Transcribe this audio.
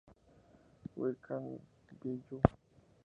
Why Can't I Be You?